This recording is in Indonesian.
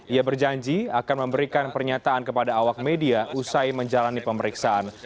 ia berjanji akan memberikan pernyataan kepada awak media usai menjalani pemeriksaan